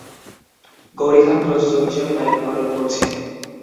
গৌরী খান প্রযোজক হিসাবে দায়িত্ব পালন করছেন।